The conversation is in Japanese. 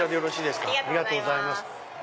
ありがとうございます。